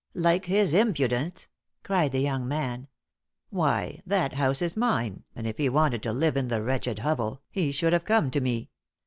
"Like his impudence!" cried the young man. "Why, that house is mine, and if he wanted to live in the wretched hovel, he should have come to me.